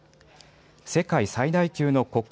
世界最大級の骨格